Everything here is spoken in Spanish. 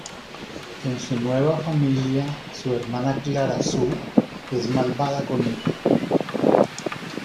En su nueva familia su hermana Clara Sue es malvada con ella.